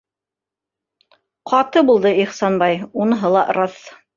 Ҡаты булды Ихсанбай - уныһы ла раҫ.